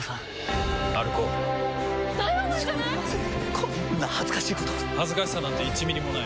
こんな恥ずかしいこと恥ずかしさなんて１ミリもない。